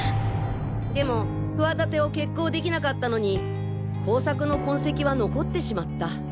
でも企てを決行できなかったのに工作の痕跡は残ってしまった。